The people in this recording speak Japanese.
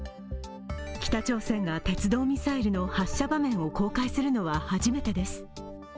北朝鮮が鉄道ミサイルの発射場面を公開するのは初めてです。